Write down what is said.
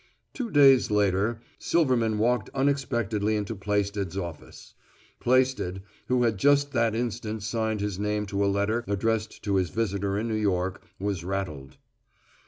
Two days later Silverman walked unexpectedly into Plaisted's office. Plaisted, who had just that instant signed his name to a letter addressed to his visitor in New York, was rattled.